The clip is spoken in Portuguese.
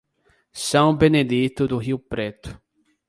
São Benedito do Rio Preto